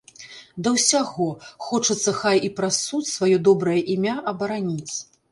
Да ўсяго, хочацца хай і праз суд сваё добрае імя абараніць.